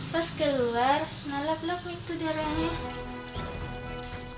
pas keluar nalap lap itu darahnya